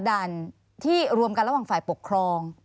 ด่านที่รวมกันระหว่างฝ่ายปกครอง